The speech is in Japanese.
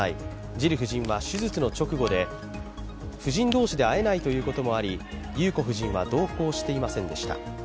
ジル夫人は手術の直後で夫人同士で会えないということもあり裕子夫人は同行していませんでした。